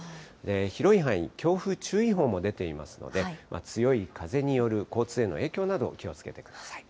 広い範囲に強風注意報も出ていますので、強い風による交通への影響など、気をつけてください。